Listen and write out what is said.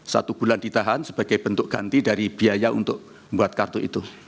satu bulan ditahan sebagai bentuk ganti dari biaya untuk membuat kartu itu